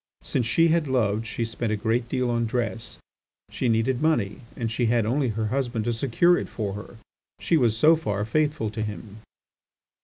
Since she had loved she spent a great deal on dress. She needed money, and she had only her husband to secure it for her; she was so far faithful to him.